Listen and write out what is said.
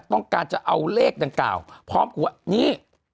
ต้องการจะเอาเลขดังกล่าวพร้อมกับว่านี่